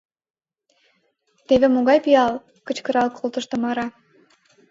— Теве могай пиал! — кычкырал колтыш Тамара.